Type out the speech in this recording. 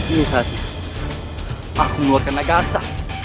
ini saatnya aku meluarkan naga aksa